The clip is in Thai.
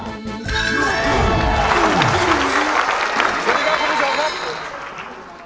สวัสดีครับคุณผู้ชมครับ